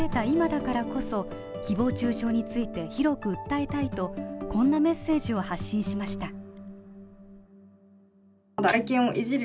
今だからこそ誹謗中傷について広く訴えたいとこんなメッセージを発信しました。